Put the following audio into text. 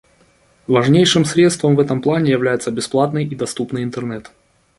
Важнейшим средством в этом плане является бесплатный и доступный Интернет.